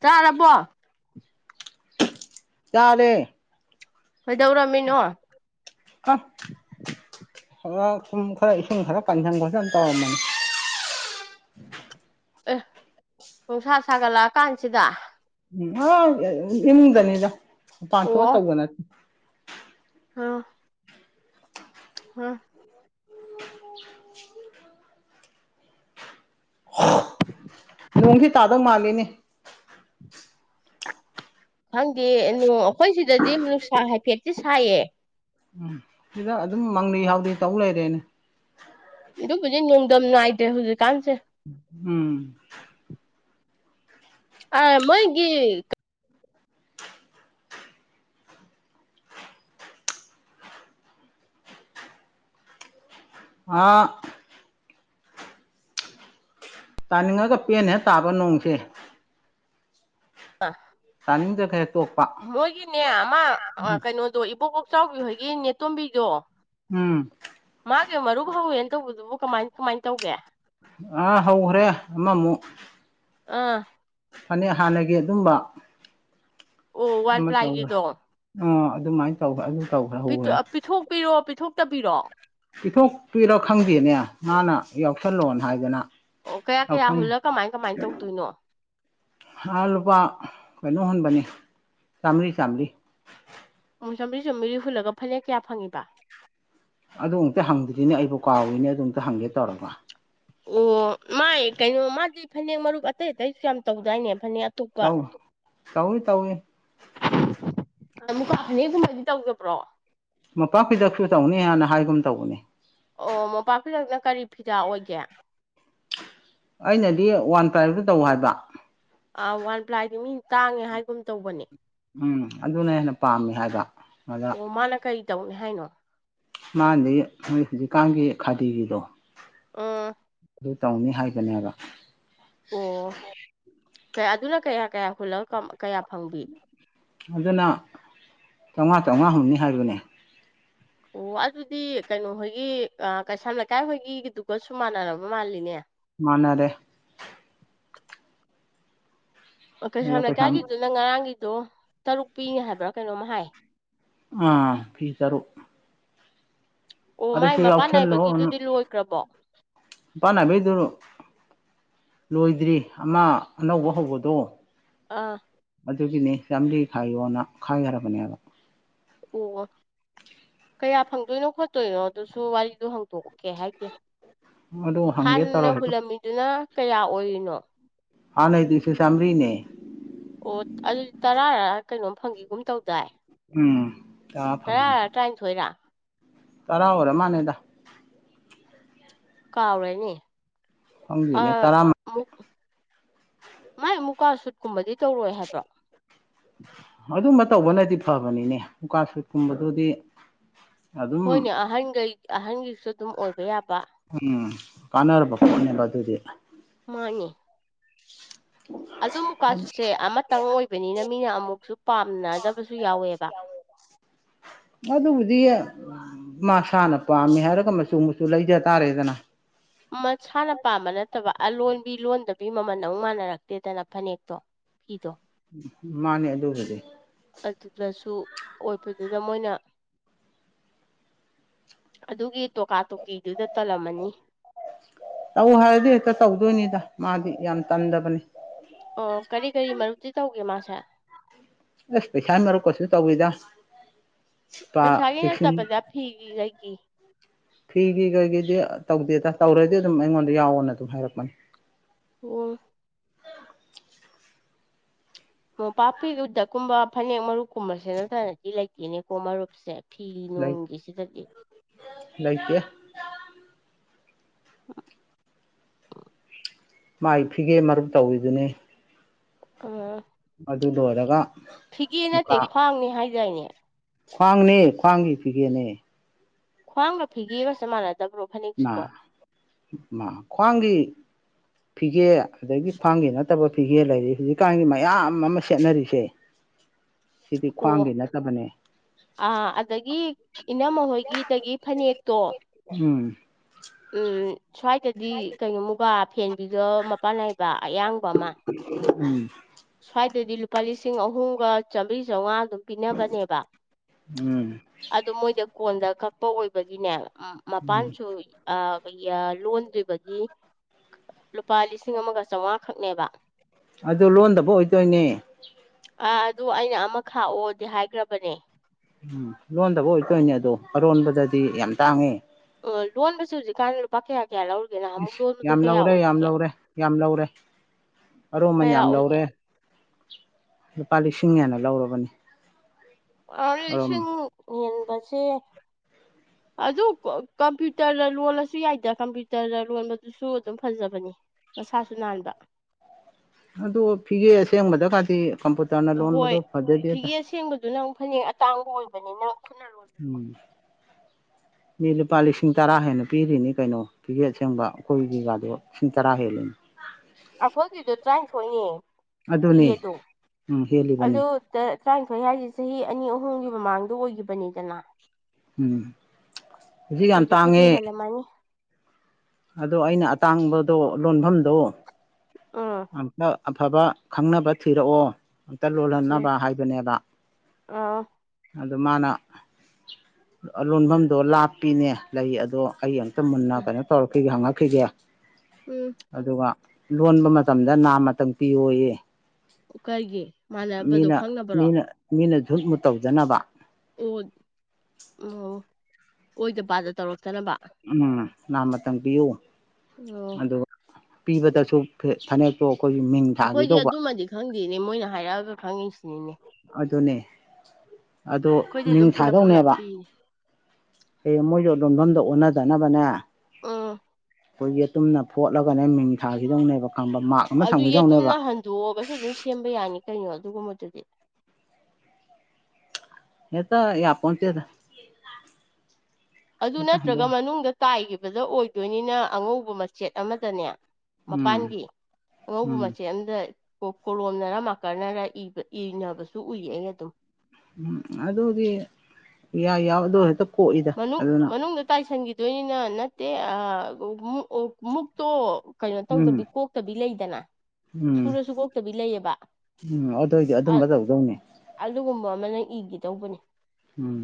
ꯆꯥꯔꯕꯣ ꯆꯔꯦ ꯀꯣꯏꯗꯧꯔꯝꯃꯤꯅꯣ ꯑ ꯈꯔ ꯁꯨꯝ ꯈꯔ ꯏꯁꯤꯡ ꯈꯔ ꯄꯪꯁꯪ ꯈꯁ ꯌꯥꯝ ꯇꯧꯔꯝꯃꯅꯤ ꯑꯦ ꯅꯨꯡꯁꯥ ꯁꯥꯒꯠꯂꯛꯑ ꯀꯥꯟꯁꯤꯗ ꯗꯅꯤꯖ ꯄꯥꯟꯊꯣ ꯑꯣ ꯇꯧꯕ ꯅ [unintelligible] ꯍꯥꯥ ꯅꯣꯪꯗꯤ ꯇꯥꯗꯣ ꯃꯥꯜ ꯀꯅꯦ ꯈꯪꯗꯦ ꯅꯨ ꯑꯩꯈꯣꯏ ꯁꯤꯗꯗꯤ ꯅꯨꯡꯁꯥ ꯍꯥꯏꯐꯦꯠꯇꯤ ꯁꯥꯏꯌꯦ ꯁꯤꯗ ꯑꯗꯨꯝ ꯃꯪꯅꯩ ꯍꯥꯎꯗꯦ ꯇꯧ ꯂꯩꯔꯦꯅꯦ ꯑꯗꯨꯝ ꯍꯧꯖꯤꯛ ꯣꯡꯗꯝ ꯉꯏꯇ꯭ꯔꯦ ꯍꯧꯖꯤꯛꯀꯥꯟꯁꯦ ꯎꯝ ꯑ ꯃꯣꯏꯒꯤ ꯑꯥ ꯇꯥꯅꯤꯡ ꯉꯒ ꯄꯦꯟ ꯍꯦꯛ ꯇꯥꯕ ꯅꯣꯡꯁꯦ ꯑ ꯇꯥꯅꯤꯡꯗ꯭ꯔꯒ ꯍꯦꯛ ꯇꯣꯛꯄ ꯃꯣꯏꯒꯤꯅꯦ ꯑꯃ ꯀꯩꯅꯣꯗꯣ ꯏꯕꯣꯛ ꯀꯥꯛꯆꯥꯎꯕꯤ ꯍꯣꯏꯒꯤ ꯅꯦꯇꯣꯝꯕꯤ ꯀꯣ ꯎꯝ ꯃꯥꯒꯦ ꯃꯔꯕꯥꯕ ꯌꯦꯟ ꯇꯧꯕꯗꯨ ꯀꯃꯥꯏ ꯀꯃꯥꯏ ꯅ ꯇꯧꯒꯦ ꯑꯥ ꯍꯧꯈ꯭ꯔꯦ ꯑꯃꯃꯨꯛ ꯑꯥ ꯐꯅꯦꯛ ꯍꯥꯟꯅꯒꯤ ꯑꯗꯨꯝꯕ ꯑꯣ ꯋꯥꯟ ꯄ꯭ꯂꯥꯏꯒꯤꯗꯣ ꯑ ꯑꯗꯨꯃꯥꯏꯅ ꯇꯧꯕ ꯑꯗꯨ ꯇꯧꯈ꯭ꯔꯦ ꯍꯧꯈ꯭ꯔꯦ ꯄꯤꯊꯣꯛꯄꯤꯔꯣ ꯄꯤꯊꯣꯛ ꯇꯕꯤꯔꯣꯑꯣ ꯄꯊꯣꯛꯇꯨꯏꯔꯣ ꯈꯪꯗꯦꯅꯦ ꯃꯥꯅ ꯌꯥꯎꯁꯜꯂꯣꯅ ꯍꯥꯏꯗꯅ ꯑꯣ ꯀꯌꯥ ꯀꯌꯥ ꯌꯥꯎꯁꯟ ꯍꯨꯜꯂ ꯀꯃꯥꯏ ꯀꯃꯥꯏ ꯇꯧꯗꯣꯏꯅꯣ ꯑꯥ ꯂꯨꯄꯥ ꯀꯩꯅꯣ ꯍꯨꯟꯕꯅꯦ ꯆꯥꯝꯃꯔꯤ ꯆꯥꯝꯃꯔꯤ ꯆꯝꯃꯔꯤ ꯆꯨꯝꯃꯔꯤ ꯍꯨꯂꯒ ꯐꯅꯦꯛ ꯀꯌꯥ ꯐꯪꯉꯤꯕ ꯑꯗꯨ ꯑꯃꯗ ꯍꯪꯗꯔ꯭ꯤꯅꯦ ꯑꯩꯕꯣ ꯀꯥꯎꯋꯏꯅꯦ ꯑꯗꯨꯝꯇ ꯍꯪꯒꯦ ꯇꯧꯔꯒ ꯑꯣ ꯃꯥꯥꯏ ꯀꯩꯅꯣ ꯃꯥꯗꯤ ꯐꯅꯦꯛ ꯃꯔꯨꯞ ꯑꯇꯩ ꯑꯇꯩꯁꯨ ꯌꯥꯝ ꯇꯧꯗꯥꯏꯅꯦꯕ ꯇꯧ ꯇꯧꯏ ꯇꯧꯏ ꯃꯨꯀꯥ ꯐꯅꯦꯛꯒꯨꯝꯃꯥꯏꯗꯤ ꯇꯧꯗꯕ꯭ꯔꯣ ꯃꯄꯥ ꯀꯩꯗꯁꯨ ꯇꯧꯅꯤ ꯍꯥꯏꯅ ꯍꯥꯏꯒꯨꯝ ꯇꯧꯕꯅꯦ ꯑꯣ ꯃꯣꯄꯥꯛ ꯐꯗꯛꯅ ꯀꯔꯤ ꯐꯤꯗꯥ ꯑꯣꯏꯒꯦ ꯑꯩꯅꯗꯤ ꯋꯥꯟ ꯄ꯭ꯔꯥꯏꯞꯇ ꯇꯧ ꯍꯥꯏꯕ ꯑ ꯋꯥꯟ ꯄ꯭ꯂꯥꯏꯗꯤ ꯃꯤ ꯇꯥꯡꯉꯦ ꯍꯥꯏ ꯎꯝ ꯑꯗꯨꯅ ꯍꯦꯟꯅ ꯄꯥꯝꯃꯦ ꯍꯥꯏꯕ ꯑꯗ ꯑꯣ ꯃꯥꯅ ꯀꯔꯤ ꯇꯧꯅꯤ ꯍꯥꯏꯅꯣ ꯃꯥꯥꯟꯗꯤ ꯅꯣꯏ ꯍꯧꯖꯤꯛꯀꯥꯟꯒꯤ ꯈꯥꯗꯤ ꯒꯤꯗꯣ ꯑꯣ ꯑꯗꯨ ꯇꯧꯅꯤ ꯍꯥꯏꯕꯅꯦꯕꯥ ꯑꯣ ꯑꯗꯨꯅ ꯀꯌꯥ ꯀꯌꯥ ꯍꯨꯜꯂ ꯀꯌꯥ ꯐꯪꯕꯤ ꯑꯗꯨꯅ ꯆꯥꯝꯃꯉꯥ ꯆꯥꯃꯉꯥ ꯍꯨꯝꯅꯤ ꯍꯥꯏꯕꯅꯦ ꯑꯣ ꯑꯗꯨꯗꯤ ꯀꯩꯅꯣꯍꯣꯏꯒꯤ ꯀꯩꯁꯥꯝ ꯂꯩꯀꯥꯏ ꯍꯣꯏꯒꯤꯗꯨꯒꯁꯨ ꯃꯥꯟꯅꯔꯕ ꯃꯥꯜꯂꯤꯅꯦ ꯃꯥꯅꯦꯗꯦ ꯃ ꯀꯩ ꯑꯗꯨꯒ ꯁꯃ ꯄꯩꯁꯥ ꯀꯒꯗ ꯅꯪ ꯉꯔꯥꯡ ꯑꯗꯣ ꯇꯔꯨꯛ ꯄꯤꯅꯦ ꯍꯥꯏꯕ꯭ꯔꯥ ꯀꯩꯅꯣꯝꯃ ꯍꯥꯏ ꯑꯥ ꯐꯤ ꯆꯔꯨ ꯑꯣ ꯃꯥꯏ ꯑꯗꯨꯗꯁꯨ ꯃꯄꯥꯟ ꯌꯥꯎꯁꯜꯂꯣꯅ ꯅꯥꯏꯕꯒꯤꯗꯨꯗꯤ ꯂꯣꯏꯈ꯭ꯔꯕꯣ ꯄꯥꯟꯅꯕꯗꯨ ꯂꯣꯏꯗ꯭ꯔꯤ ꯑꯃ ꯑꯅꯧꯕ ꯍꯧꯕꯗꯣ ꯑꯥ ꯑꯗꯨꯒꯤꯅꯤ ꯆꯔꯤ ꯈꯥꯏꯌꯣꯅ ꯈꯥꯏꯈ꯭ꯔꯕꯅꯦꯕ ꯑꯣ ꯀꯌꯥ ꯐꯪꯗꯣꯏꯅꯣ ꯈꯣꯠꯇꯣꯏꯅꯣ ꯑꯗꯨꯁꯨ ꯋꯥꯔꯤꯗꯣ ꯍꯥꯡꯗꯣꯛꯎꯀꯦ ꯍꯥꯏꯗꯤꯦ ꯑꯂ ꯍꯪꯦ ꯇꯔꯣ ꯍ ꯀꯌꯥ ꯑꯣꯏꯔꯤꯅꯣ ꯑꯅꯩꯗꯤꯁꯤ ꯆꯃꯔꯤꯅꯦ ꯑꯣ ꯑꯗꯨꯗꯤ ꯇꯔꯥ ꯀꯩꯅꯣꯝ ꯐꯪꯈꯤꯒꯨꯝ ꯇꯧꯗꯥꯏ ꯎꯝ ꯀ ꯐꯪꯅꯤ ꯇꯔꯥꯔ ꯇꯔꯥꯅꯤꯊꯣꯏꯔ ꯇꯔꯥ ꯑꯣꯏꯔꯦ ꯃꯥꯅꯦꯗ ꯀꯥꯎꯔꯦꯅꯦ ꯍꯒꯅꯦ ꯑ ꯇꯔꯥ ꯃꯨꯛ ꯃꯥꯏ ꯃꯨꯀꯥ ꯁꯨꯠ ꯀꯨꯝꯕꯗꯤ ꯇꯧꯔꯣꯏ ꯍꯥꯏꯕ꯭ꯔꯣ ꯑꯗꯨꯝꯕ ꯇꯧꯕꯅꯗꯤ ꯐꯕꯅꯤꯅꯦ ꯎꯀꯥ ꯁꯨꯠꯀꯨꯝꯕꯗꯨꯗꯤ ꯑꯗꯨꯝ ꯍꯣꯏꯅꯦ ꯑꯍꯔꯅꯤꯒ ꯑꯍꯟꯒꯤ ꯎꯝ ꯀꯅꯔ ꯄ ꯐꯔꯤ ꯃꯥꯅꯤ ꯑꯗꯨ ꯃꯨꯛꯀꯥꯁꯨꯨꯠꯁꯦ ꯑꯃꯇꯪ ꯑꯣꯏꯕꯅꯤꯅ ꯃꯤꯅ ꯑꯃꯨꯛꯁꯨ ꯄꯥꯝꯅꯗꯕꯁꯨ ꯌꯥꯎꯋꯦꯕ ꯑꯗꯨꯕꯨꯗꯤ ꯃꯥꯁꯥꯅ ꯄꯥꯝꯃꯦ ꯍꯥꯏꯔꯒ ꯃꯆꯨ ꯃꯆꯨ ꯂꯩꯖ ꯇꯥꯔꯦꯗꯅ ꯃꯁꯥꯅ ꯄꯥꯝꯕ ꯅꯠꯇꯕ ꯑꯂꯣꯟꯕꯤ ꯂꯣꯟꯗꯕꯤ ꯃꯃꯜ ꯑꯃꯨꯛ ꯃꯥꯟꯅꯔꯛꯇꯦꯗꯅ ꯐꯅꯦꯛꯇꯣ ꯐꯤꯗꯣ ꯃꯥꯅꯦ ꯑꯗꯨꯁꯨꯗꯤ ꯑꯗꯨꯗꯁꯨ ꯑꯣꯏꯕꯗꯨꯗ ꯃꯣꯏꯅ ꯑꯗꯨꯒꯤ ꯇꯣꯀꯥ ꯇꯣꯀꯤꯗꯨꯗ ꯇꯜꯂꯝꯃꯅꯤ ꯇꯧ ꯍꯥꯏꯔꯗꯤ ꯍꯦꯛꯇ ꯇꯧꯗꯣꯏꯅꯤꯗ ꯃꯥꯗꯤ ꯌꯥꯝ ꯇꯟꯗꯕꯅꯤ ꯑꯣ ꯀꯔꯤ ꯀꯔꯤ ꯃꯔꯨꯞꯇꯤ ꯇꯧꯒꯦ ꯃꯥꯁꯦ ꯑꯁ ꯃꯔꯨꯞꯀꯁꯨ ꯇꯧꯏꯗ ꯄ ꯄꯩꯁꯥꯒꯤ ꯂꯤꯁꯤꯡ ꯅꯠꯇꯕꯗ ꯐꯤꯒꯤ ꯀꯩꯒꯤ ꯐꯤꯒꯤ ꯀꯩꯒꯤꯗꯤ ꯑꯗꯨꯝ ꯇꯧꯗꯦꯗ ꯇꯧꯔꯗꯤ ꯑꯗꯨꯝ ꯑꯩꯉꯣꯟꯗ ꯌꯥꯎꯑꯣꯅ ꯑꯗꯨꯝ ꯍꯥꯏꯔꯛꯄꯅꯤ ꯑꯣ ꯃꯣꯝꯄꯥꯛ ꯐꯤ ꯎꯗꯛꯀꯨꯝꯕ ꯐꯅꯦꯛ ꯃꯔꯨꯞꯀꯨꯝꯕꯁꯦ ꯅꯠꯇꯗꯤ ꯂꯩꯇꯦꯅꯦꯀꯣ ꯃꯔꯨꯞꯁꯦ ꯂꯩ ꯐꯤꯅꯣꯡꯒꯤ ꯁꯤ ꯗꯗꯤ ꯂꯩꯇꯦ ꯑꯟꯑꯣꯗꯤꯕꯜ ꯃꯥꯏ ꯐꯤꯒꯦ ꯃꯔꯨꯞ ꯇꯧꯏꯗꯨꯅꯦ ꯑꯝ ꯑꯗꯨ ꯂꯣꯏꯔꯒ ꯐꯤꯒꯦ ꯅꯠꯇꯦ ꯃꯨꯀꯥ ꯈ꯭ꯋꯥꯡꯅꯦ ꯍꯥꯏꯗꯥꯏꯅꯦ ꯈ꯭ꯋꯥꯡꯅꯦ ꯈ꯭ꯋꯥꯡꯒꯤ ꯐꯤꯒꯦꯅꯦ ꯈ꯭ꯋꯥꯡ ꯒ ꯐꯤꯒꯦꯒꯁ ꯃꯥꯥꯟꯅ ꯏꯃꯥ ꯃꯥ ꯈ꯭ꯋꯥꯡꯒꯤ ꯐꯤꯒꯦ ꯑꯗꯒꯤ ꯈ꯭ꯋꯥꯡꯒꯤ ꯅꯠꯇꯕ ꯐꯤꯒꯦ ꯂꯩꯔꯤ ꯍꯧꯖꯤꯛꯀꯥꯟꯒꯤ ꯃꯌꯥꯝ ꯑꯃ ꯁꯦꯠꯅꯔꯤꯁꯦ ꯁꯤꯗꯤ ꯑꯣ ꯈ꯭ꯋꯥꯡꯒꯤ ꯅꯠꯇꯕꯅꯦ ꯑꯥ ꯑꯗꯒꯤ ꯏꯅꯝꯃ ꯍꯣꯏꯒꯤꯗꯒꯤ ꯐꯅꯦꯛꯇꯣ ꯎꯝ ꯎꯝ ꯁ꯭ꯋꯥꯏꯗꯗꯤ ꯀꯩꯅꯣ ꯃꯨꯒꯥ ꯐꯦꯟꯕꯤꯗꯣ ꯃꯄꯥꯟ ꯅꯥꯏꯕ ꯑꯌꯥꯡꯕ ꯑꯃ ꯎꯝ ꯁ꯭ꯋꯥꯏꯗꯗꯤ ꯂꯨꯄꯥ ꯂꯤꯁꯤꯡ ꯑꯍꯨꯝꯒ ꯆꯥꯝꯃꯔꯤ ꯆꯥꯝꯃꯉꯥ ꯑꯗꯨꯝ ꯄꯤꯅꯕꯅꯦꯕ ꯎꯝ ꯑꯗꯨ ꯃꯣꯏꯗ ꯀꯣꯟꯗ ꯀꯛꯄ ꯑꯣꯏꯕꯒꯤꯅꯦ ꯑꯝ ꯎꯝ ꯃꯄꯥꯟꯁꯨ ꯑꯥ ꯈꯣꯏꯒꯤ ꯑ ꯂꯣꯟꯗ꯭ꯔꯤꯕꯒꯤ ꯂꯨꯄꯥ ꯂꯤꯁꯤꯡ ꯑꯃꯒ ꯆꯧꯉꯥ ꯈꯛꯅꯦꯕ ꯑꯗꯨ ꯂꯣꯟꯗꯕ ꯑꯣꯏꯗꯣꯏꯅꯦ ꯑꯥ ꯑꯗꯨ ꯑꯩꯅ ꯑꯃ ꯈꯥꯛꯑꯣꯗꯤ ꯍꯥꯏꯒ꯭ꯔꯕꯅꯦ ꯎꯝ ꯂꯣꯟꯗꯕ ꯑꯣꯏꯗꯣꯏꯅꯦ ꯑꯗꯣ ꯑꯔꯣꯟꯕꯗꯗꯤ ꯌꯥꯝ ꯇꯥꯡꯉꯦ ꯑꯣ ꯂꯣꯟ ꯕꯁꯤ ꯍꯧꯖꯤꯛꯀꯥꯥꯟ ꯂꯨꯄꯥ ꯀ꯭ꯌꯥ ꯏꯁ ꯌꯥꯝ ꯂꯧꯔꯦ ꯌꯥꯝ ꯂꯧꯔꯦ ꯌꯥꯝ ꯂꯧꯔꯦ ꯑꯔꯨꯃꯟ ꯀꯌꯥ ꯌꯥꯝ ꯑꯣꯏꯒꯦ ꯂꯧꯔꯦ ꯂꯨꯄꯥ ꯂꯤꯁꯤꯡ ꯍꯦꯟꯅ ꯂꯧꯔꯕꯅꯤ ꯑꯥ ꯌ ꯂꯤꯁꯤꯡ ꯑꯔꯣꯟꯃꯟ ꯍꯦꯟ ꯕꯁꯦ ꯑꯗꯨ ꯀꯝꯄ꯭ꯌꯨꯇꯔꯗ ꯂꯣꯜꯂꯁꯨ ꯌꯥꯏꯗ ꯀꯝꯄ꯭ꯌꯨꯇꯔꯗ ꯂꯣꯟꯕꯗꯨꯁꯨ ꯑꯗꯨꯝ ꯐꯖꯕꯅꯤ ꯃꯁꯥꯁꯨ ꯅꯥꯟꯕ ꯑꯗꯣ ꯐꯤꯒꯦ ꯑꯁꯦꯡꯕꯗꯒꯥꯗꯤ ꯍꯣꯏ ꯐꯤꯒꯦ ꯑꯁꯦꯡꯕꯗꯨꯅ ꯑꯃꯨꯛ ꯐꯅꯦꯛ ꯑ ꯇꯥꯡꯕ ꯑꯣ ꯏꯕꯅꯤꯅ ꯈꯨꯅ ꯎꯝ ꯃꯤ ꯂꯨꯄꯥ ꯂꯤꯁꯤꯡ ꯇꯔꯥ ꯍꯦꯟꯅ ꯄꯤꯔꯤꯅꯤ ꯀꯩꯅꯣ ꯐꯤꯒꯦ ꯑꯁꯦꯡꯕ ꯑꯩꯈꯣꯏꯒꯤꯒꯥꯗꯣ ꯂꯤꯁꯤꯡ ꯇꯔꯥ ꯍꯦꯜꯂꯤꯅꯤ ꯑꯐꯣꯏꯒꯤꯗꯣ ꯇꯔꯥꯅꯤꯊꯣꯏꯅꯦ ꯑꯗꯨꯅꯤ ꯐꯤꯒꯦꯗꯣ ꯎꯝ ꯍꯦꯜꯂꯤꯕꯅꯤ ꯑꯗꯨꯗ ꯇꯔꯥꯅꯤꯊꯣꯏ ꯍꯥꯏꯁꯦ ꯆꯍꯤ ꯑꯅꯤ ꯑꯍꯨꯝꯒꯤ ꯃꯃꯥꯡꯗ ꯑꯣꯏꯒꯤꯕꯅꯤꯗꯅ ꯎꯨꯝ ꯍꯧꯖꯤꯛ ꯌꯥꯝ ꯍꯧꯖꯤꯛꯄꯨꯗꯤ ꯇꯥꯡꯉꯦ ꯍꯦꯜꯂꯝꯃꯅꯤ ꯑꯗꯣ ꯑꯩꯅ ꯑꯇꯥꯡꯕꯗꯣ ꯂꯣꯟꯐꯝꯗꯣ ꯎꯝ ꯑꯝꯄ ꯑꯐꯕ ꯈꯪꯅꯕ ꯊꯤꯔꯛꯑꯣ ꯎꯝ ꯇꯂꯣꯜꯔꯟꯅꯕ ꯍꯥꯏꯕꯅꯦꯕ ꯑꯥ ꯑꯗꯣ ꯃꯥꯅ ꯑ ꯂꯣꯟꯐꯝꯗꯣ ꯂꯥꯞꯄꯤꯅꯦ ꯂꯩ ꯑꯗꯣ ꯑꯩ ꯇ ꯃꯨꯅꯥ ꯀꯩꯅꯣ ꯇꯧꯔꯛꯈꯤꯒꯦ ꯍꯪꯉꯛ ꯈꯩꯗ ꯎꯝ ꯑꯗꯨꯒ ꯂꯣꯟꯕ ꯃ ꯃꯇꯝꯗ ꯅꯥꯝꯃꯇꯪ ꯄꯤꯌꯣꯌꯦ ꯀꯩꯒꯤ ꯃꯥꯟꯅꯕꯗꯣ ꯃꯤꯅ ꯈꯪꯅꯕꯔꯣ ꯃꯤꯅ ꯃꯤꯅ ꯖꯨꯠ ꯃꯨꯠ ꯇꯧꯗꯅꯕ ꯑꯣꯠ ꯎꯝ ꯑꯣꯏꯗ ꯄꯥꯗ ꯇꯧꯔꯛꯇꯅꯕ ꯎꯨꯝ ꯅꯥꯃꯇꯪ ꯄꯤꯌꯨ ꯑꯣ ꯑꯗꯨꯒ ꯄꯤꯕꯗꯁꯨ ꯐꯅꯦꯛꯇꯣ ꯑꯩꯈꯣꯏꯒꯤ ꯃꯤꯡ ꯊꯥꯒꯦ ꯇꯧꯕ ꯗꯦꯅꯦ ꯃꯣꯏꯅ ꯍꯥꯏꯔꯛꯑꯒ ꯈꯪꯉꯤꯁꯤꯅꯤꯅꯦ ꯑꯗꯨꯅꯦ ꯑꯗꯣ ꯑꯩꯈꯣꯏꯗꯤ ꯃꯤꯡ ꯑꯗꯨꯝ ꯄꯨꯂꯞ ꯄꯨꯂꯞ ꯊꯥꯗꫭꯛꯅꯦꯕ ꯄꯤꯅꯦ ꯍꯌꯦꯡ ꯃꯣꯏ [unintelligible] ꯂꯣꯟꯐꯝꯗꯣ ꯑꯣꯟꯅꯗꯅꯕꯅꯦ ꯎꯨꯝ ꯑꯩꯈꯣꯏꯒꯤ ꯇꯨꯝꯅ ꯐꯣꯠꯂꯒꯅꯦ ꯃꯤꯡ ꯊꯥꯒꯤꯗꯧꯅꯦꯕ ꯑꯗꯨ ꯌꯦꯇꯨꯝꯅ ꯍꯟꯗꯣꯛꯑꯕꯁꯨ ꯑꯗꯨꯝ ꯁꯦꯝꯕ ꯌꯥꯅꯤ ꯀꯩꯅꯣ ꯑꯗꯨꯒꯨꯝꯕꯗꯨꯗꯤ ꯍꯦꯛꯇ ꯌꯥꯄꯣꯟꯇꯦꯗ ꯑꯗꯨ ꯍꯦꯛꯇ ꯅꯠꯇ꯭ꯔꯒ ꯍꯟꯗꯣꯛ ꯃꯅꯨꯡꯗ ꯇꯥꯏꯒꯤꯕ ꯕꯗ ꯑꯣꯏꯗꯣꯏꯅꯤꯅ ꯑꯉꯧꯕ ꯃꯆ ꯁꯦꯠ ꯑꯃꯗꯅꯦ ꯎꯝ ꯃꯄꯥꯟꯒꯤ ꯑꯉꯧꯕ ꯎꯝ ꯃꯆꯦꯠ ꯑꯃꯅ ꯀꯣꯂꯣꯝꯅꯔ ꯃꯥꯀꯟꯅꯔ ꯏ ꯏꯅꯕꯁꯨ ꯎꯏꯌꯦ ꯑꯩ ꯑꯗꯨꯝ ꯎꯝ ꯑꯗꯨꯗꯤ ꯌꯥ ꯌꯥꯎꯗꯣ ꯍ ꯃꯅꯨꯡ ꯃꯅꯨꯡꯗ ꯇꯥꯏꯁꯤꯟꯈꯤ ꯗꯣꯏꯅꯤꯅ ꯅꯠꯇꯦ ꯑ ꯃꯨꯛ ꯑ ꯃꯨꯛꯇꯣ ꯀꯩꯅꯣ ꯇꯧꯗꯕꯤ ꯎꯝ ꯀꯣꯛꯇꯕꯤ ꯂꯩ ꯀꯅꯥ ꯎꯝ ꯎꯝ ꯑꯗꯨ ꯑꯣꯏꯗꯤ ꯑꯗꯨꯝꯕ ꯇꯧꯗꯧꯅꯤ ꯑꯗꯨꯒꯨꯝꯕ ꯑꯃꯅꯪ ꯏꯒꯦ ꯇꯧꯕꯅꯦ ꯎꯝ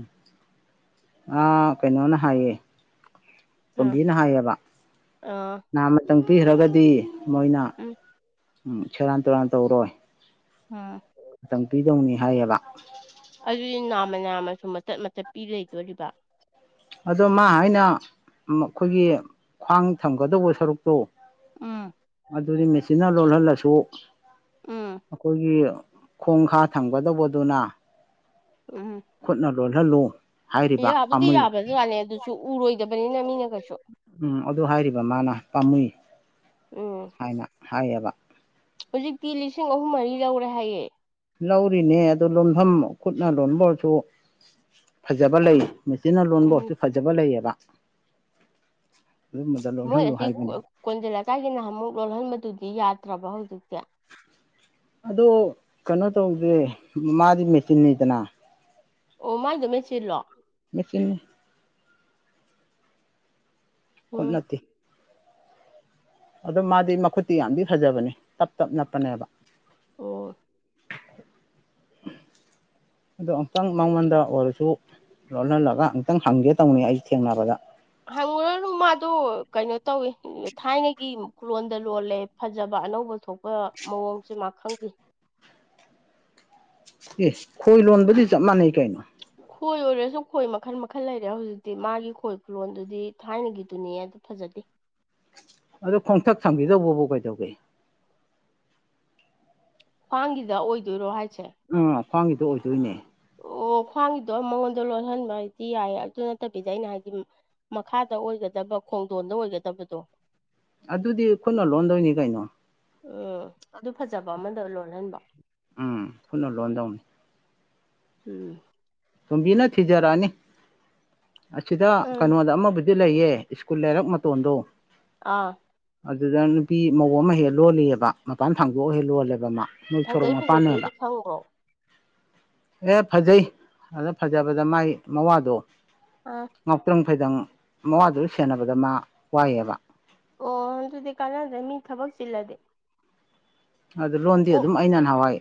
ꯑꯥ ꯀꯩꯅꯣꯅ ꯍꯥꯏꯌꯦꯑꯌꯦ ꯑꯥ ꯀꯣꯝꯕꯤꯅ ꯍꯥꯏꯌꯦꯕ ꯑꯥ ꯅꯍ ꯃꯇꯝ ꯄꯤꯔꯒꯗꯤ ꯃꯅꯥ ꯎꯝ ꯎꯝ ꯁꯦꯔꯥꯟ ꯇꯨꯔꯥꯟ ꯇꯧꯔꯣꯏ ꯑꯝ ꯃꯇꯝ ꯄꯤꯗꯧꯅꯤ ꯍꯥꯏꯌꯦꯕ ꯑꯗꯨꯗꯤ ꯅꯥꯝꯃ ꯅꯥꯝꯃꯁꯨ ꯃꯆꯠ ꯃꯆꯠ ꯄꯤ ꯂꯩꯣꯏꯗꯣꯔꯤꯕ ꯑꯗꯣ ꯃꯥ ꯍꯥꯏꯅ ꯑꯩꯈꯣꯏꯒꯤ ꯈ꯭ꯋꯥꯡ ꯊꯝꯒꯗꯧꯕ ꯁꯔꯨꯛꯇꯣ ꯎꯝ ꯑꯗꯨꯗꯤ ꯃꯦꯆꯤꯟꯅ ꯂꯣꯜꯍꯜꯂꯁꯨ ꯎꯝ ꯑꯩꯈꯣꯏꯒꯤ ꯈꯣꯡꯈꯥ ꯊꯝꯒꯗꯧꯕꯗꯨꯅ ꯎꯝ ꯂꯣꯜꯍꯜꯂꯨ ꯍꯥꯏꯔꯤꯕ ꯌꯥꯕꯨꯗꯤ ꯄꯥꯝꯃꯨꯏ ꯌꯥꯕ꯭ꯔꯖꯖꯠꯅꯤ ꯑꯗꯨꯁꯨ ꯎꯔꯣꯏꯗꯕꯅꯤꯅ ꯃꯤꯅ ꯀꯩꯁꯨ ꯄꯥꯃ ꯎꯝ ꯍꯥꯏꯌꯦꯕ ꯍꯧꯖꯤꯛꯇꯤ ꯂꯤꯁꯤꯡ ꯑꯍꯨꯝ ꯃꯔꯤ ꯂꯧꯔꯦ ꯍꯥꯏꯌꯦ ꯂꯧꯔꯤꯅꯦ ꯑꯗꯨ ꯂꯣꯟꯐꯝ ꯈꯨꯠꯅ ꯂꯣꯟꯕ ꯑꯣꯏꯔꯁꯨ ꯐꯖꯕ ꯂꯩ ꯃꯦꯆꯤꯟꯅ ꯂꯣꯟꯕ ꯎꯝ ꯑꯣꯁꯨ ꯐꯖꯕ ꯂꯩꯌꯦꯕ [unintelligible] ꯃꯣꯏ ꯂꯣꯜꯍꯜꯂꯨ ꯑꯁꯤꯁꯤ ꯍꯥꯏꯕꯅꯤ ꯀꯣꯟꯖꯂ ꯀꯥꯏꯒꯤꯅꯨꯛ ꯂꯣꯜꯍꯟꯕꯗꯨꯗꯤ ꯌꯥꯗ꯭ꯔꯕ ꯍꯧꯖꯤꯛꯁꯦ ꯑꯗꯣ ꯀꯅꯣ ꯇꯧꯖꯦ ꯃꯥꯗꯤ ꯃꯦꯆꯤꯟ ꯅꯤꯗꯅꯥ ꯑꯣꯃ ꯏꯃꯦ ꯆꯔꯂꯣ ꯃꯦꯆ ꯎꯝ ꯈꯨꯠꯅꯠꯇ ꯑꯗꯣ ꯃꯥꯗꯤ ꯃꯈꯨꯠꯇꯤ ꯌꯥꯝꯗꯤ ꯐꯖꯕꯅꯦ ꯇꯞ ꯇꯞ ꯅꯞꯄꯅꯦꯕ ꯍꯣ ꯍꯣꯏ ꯑꯣ ꯑꯃꯨꯛꯇꯪ ꯃꯉꯣꯟꯗ ꯑꯣꯏꯔꯁꯨ ꯂꯣꯍꯜꯂꯒ ꯑꯃꯨꯛꯇꯪ ꯍꯪꯒꯦ ꯇꯧꯅꯤ ꯑꯩꯁꯦ ꯊꯦꯡꯅꯕꯗ ꯀꯩꯅ ꯇꯧꯋꯦ ꯊꯥꯏꯅꯒꯤ ꯑꯃꯨ ꯈꯨꯔꯣꯟꯗ ꯂꯣꯜꯂꯦ ꯐꯖꯕꯥ ꯑꯅꯧꯕ ꯊꯣꯛꯄ ꯃꯑꯣꯡꯁꯦ ꯃꯥ ꯈꯪꯗꯦ ꯑꯦ ꯈꯣꯏ ꯂꯣꯟꯕꯗꯤ ꯆꯞ ꯃꯥꯟꯅꯩ ꯀꯩꯅꯣ ꯈꯣꯏ ꯑꯣꯏꯔꯁꯨ ꯈꯣꯏ ꯃꯈꯜ ꯃꯈꯜ ꯂꯩꯔꯦ ꯍꯧꯖꯤꯛꯇꯤ ꯃꯥꯒꯤ ꯈꯣꯏ ꯈꯨꯣꯟꯗꯨꯗꯤ ꯊꯥꯏꯅꯒꯤꯗꯨꯨꯅꯤꯌꯦ ꯑꯗꯨ ꯐꯖꯗꯦ ꯑꯗꯣ ꯈꯣꯡꯊꯛ ꯊꯝꯈꯤꯗꯧꯕꯕꯨ ꯀꯩꯗꯧꯒꯦ ꯈ꯭ꯋꯥꯡꯒꯤꯗ ꯑꯣꯏꯗꯣꯏꯔꯣ ꯍꯥꯏ ꯑ ꯈ꯭ꯋꯥꯡꯒꯤꯗꯣ ꯑꯣꯏꯗꯣꯏꯅꯦ ꯑꯣ ꯈ꯭ꯋꯥꯡꯒꯤꯗꯣ ꯃꯉꯣꯟꯗ ꯂꯣꯟꯍꯟꯕ ꯍꯥꯏꯗꯤ ꯌꯥꯏꯌꯦ ꯑꯗꯨ ꯅꯠꯇꯕꯤꯗ ꯑꯩꯅ ꯍꯥꯏꯗꯤ ꯃꯈꯥꯗ ꯑꯣꯏꯒꯗꯕ ꯈꯣꯡꯗꯣꯟꯗ ꯑꯣꯏꯒꯗꯕꯗꯣ ꯑꯗꯨꯗꯤ ꯈꯨꯠꯅ ꯂꯣꯟꯗꯣꯏꯅꯤ ꯀꯩꯅꯣ ꯑꯣ ꯑꯗꯨ ꯐꯖꯕ ꯑꯃꯗ ꯂꯣꯜꯍꯟꯕ ꯎꯝ ꯈꯨꯠꯅ ꯂꯣꯟꯗꯧꯅꯤ ꯎꯝ ꯇꯣꯝꯕꯤ ꯅ ꯊꯤꯖꯔꯥꯅꯤ ꯑꯁꯤꯗ ꯎꯝ ꯀꯩꯅꯣꯗ ꯑꯃꯕꯨꯗ ꯑꯗꯨ ꯂꯩꯌꯦ ꯁ꯭ꯀꯨꯜ ꯂꯩꯔꯛ ꯃꯇꯣꯟꯗꯣ ꯑꯥ ꯑꯗꯨꯗ ꯅꯨꯄꯤ ꯃꯑꯣꯡ ꯑꯃ ꯍꯦꯛ ꯂꯣꯜꯂꯤꯑꯕ ꯃꯄꯥꯟ ꯊꯥꯡꯗꯣꯛꯑ ꯍꯦꯛ ꯂꯣꯜꯂꯦꯕ ꯑꯃ ꯐꯖꯩ ꯐꯖꯗꯗꯤ ꯈꯪꯕ꯭ꯔꯣ ꯑꯦ ꯐꯖꯩ ꯑꯗꯨꯗ ꯐꯖꯕꯗ ꯃꯥꯏ ꯃꯋꯥꯗꯣ ꯑꯥ ꯃꯥꯄ꯭ꯔꯝ ꯈꯣꯏꯗꯪ ꯃꯋꯥꯗꯨꯗ ꯁꯦꯟꯅꯕꯗ ꯃꯥ ꯋꯥꯏꯌꯦꯕ ꯑꯣ ꯑꯗꯨꯗꯤ ꯀꯥꯟꯅꯗ꯭ꯔꯦ ꯃꯤ ꯊꯕꯛ ꯆꯤꯜꯂꯗꯤ ꯑꯗꯨ ꯂꯣꯟꯗꯤ ꯑꯣ ꯑꯗꯨꯝ ꯑꯩꯅ ꯍ ꯅꯍꯥꯟꯋꯥꯏ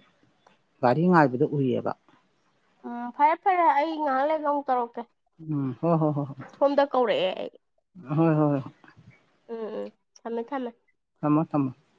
ꯒꯥꯔꯤ ꯉꯥꯏꯕꯗꯨ ꯎꯏꯌꯦꯕ ꯎꯝ ꯐꯔꯦ ꯐꯔꯦ ꯑꯩ ꯉꯥꯏꯍꯥꯛ ꯂꯩꯒ ꯑꯃꯨꯛ ꯇꯧꯔꯛꯀꯦ ꯎꯝ ꯍꯣꯏ ꯍꯣꯏ ꯍꯣꯏ ꯁꯣꯝꯗ ꯀꯧꯔꯛꯑꯦ ꯑꯩ ꯍꯣꯏ ꯍꯣꯏ ꯎꯝ ꯎꯝ ꯊꯝꯃꯦ ꯊꯝꯃꯦ ꯊꯝꯃꯣ ꯊꯝꯃꯣ